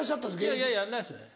いやいややんないですね。